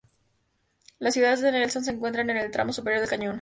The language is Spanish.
La ciudad de Nelson se encuentra en el tramo superior del cañón.